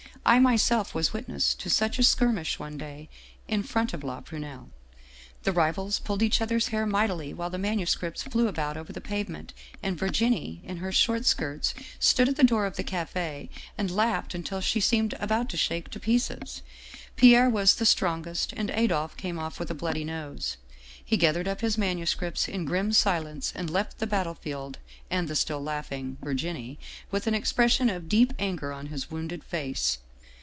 I myself was witness to such a skirmish one day, in front of ' La Prunelle.' The rivals pulled each other's hair mightily while the manuscripts flew about over the pavement, and Virginie, in her short skirts, stood at the door of the cafe and laughed until she seemed about to shake to pieces. " Pierre was the strongest, and Adolphe came off with a bloody nose. He gathered up his manuscripts in grim si lence and left the battlefield and the still laughing Virginie with an expression of deep anger on his wounded face.